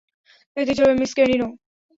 এতেই চলবে, miss merino.